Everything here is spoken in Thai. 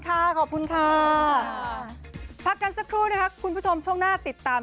ขอบคุณค่ะพักกันสักครู่นะคะคุณผู้ชมช่วงหน้าติดตาม